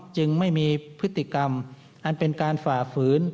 จึงไม่มีพฤติกรรมอันเป็นการฝ่าฝืน